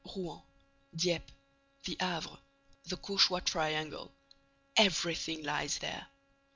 Rouen, Dieppe, the Havre—the Cauchois triangle—everything lies there.